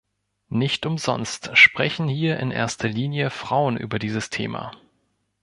Nicht umsonst sprechen hier in erster Linie Frauen über dieses Thema.